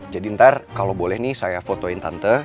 jadi ntar kalau boleh nih saya fotoin tante